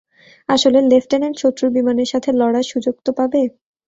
আসলে, লেফট্যানেন্ট, শত্রুর বিমানের সাথে লড়ার সুযোগ তো পাবে।